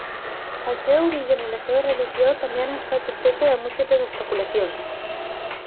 El seu origen i la seva religió, també han estat objecte de múltiples especulacions.